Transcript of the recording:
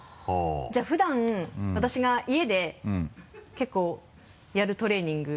じゃあ普段私が家で結構やるトレーニング。